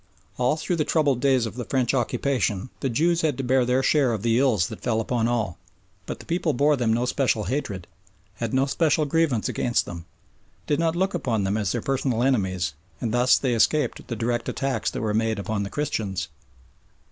All through the troubled days of the French occupation the Jews had to bear their share of the ills that fell upon all; but the people bore them no special hatred, had no special grievance against them, did not look upon them as their personal enemies, and thus they escaped the direct attacks that were made upon the Christians.